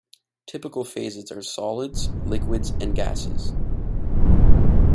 Typical phases are solids, liquids and gases.